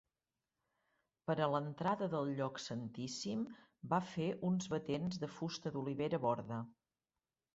Per a l'entrada del lloc santíssim, va fer uns batents de fusta d'olivera borda.